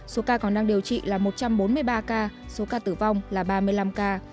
số ca còn đang điều trị là một trăm bốn mươi ba ca số ca tử vong là ba mươi năm ca